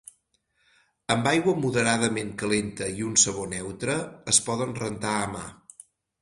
Amb aigua moderadament calenta i un sabó neutre, es poden rentar a mà.